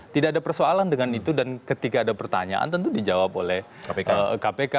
tidak ada persoalan dengan itu dan ketika ada pertanyaan tentu dijawab oleh kpk